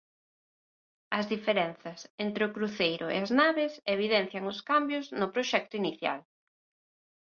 As diferenzas entre o cruceiro e as naves evidencian os cambios no proxecto inicial.